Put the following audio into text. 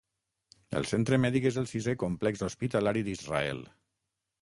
El centre mèdic és el sisè complex hospitalari d'Israel.